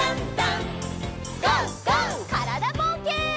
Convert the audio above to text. からだぼうけん。